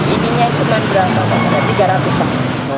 ininya semen berapa pak tiga ratus